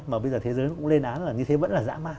mà bây giờ thế giới cũng lên án là như thế vẫn là dã ma